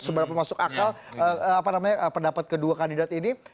seberapa masuk akal pendapat kedua kandidat ini